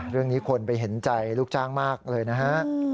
เรื่องนี้คนไปเห็นใจลูกจ้างมากเลยนะฮะ